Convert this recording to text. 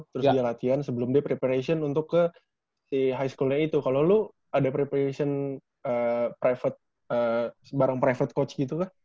terus dia latihan sebelum dia preparation untuk ke si high schoolnya itu kalau lo ada preparation private barang private coach gitu kan